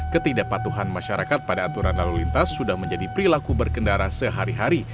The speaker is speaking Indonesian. ketidakpatuhan masyarakat pada aturan lalu lintas sudah menjadi perilaku berkendara sehari hari